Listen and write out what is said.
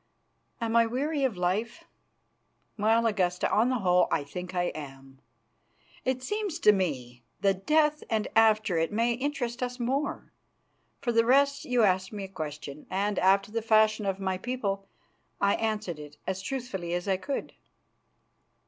"Am I weary of life? Well, Augusta, on the whole I think I am. It seems to me that death and after it may interest us more. For the rest, you asked me a question, and, after the fashion of my people, I answered it as truthfully as I could."